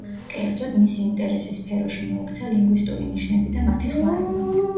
კერძოდ, მისი ინტერესის სფეროში მოექცა ლინგვისტური ნიშნები და მათი ხმარება.